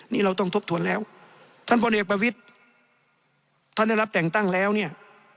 นี่เราต้องทบทวนแล้วท่านพลเอกประวิทธิ์ท่านได้รับแต่งตั้งแล้วเนี่ย